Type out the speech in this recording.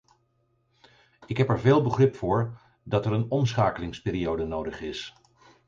Ik heb er veel begrip voor dat er een omschakelingsperiode nodig is.